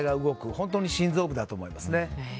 本当に心臓部だと思いますね。